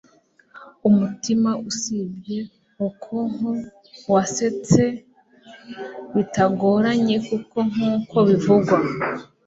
umutima usibye okonkwo, wasetse bitagoranye kuko, nkuko bivugwa